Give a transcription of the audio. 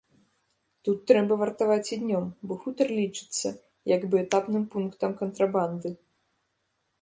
Тут трэба вартаваць і днём, бо хутар лічыцца як бы этапным пунктам кантрабанды.